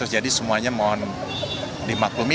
jadi semuanya mohon dimaklumi